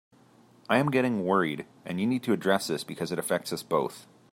I am getting worried, and you need to address this because it affects us both.